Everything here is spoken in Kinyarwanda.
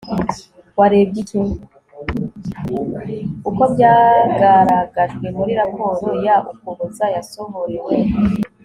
uko byagaragajwe muri raporo ya ukuboza yasohorewe